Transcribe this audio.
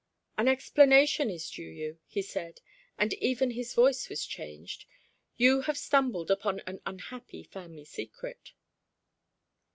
"An explanation is due you," he said, and even his voice was changed. "You have stumbled upon an unhappy family secret."